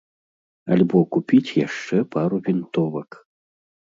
Альбо купіць яшчэ пару вінтовак.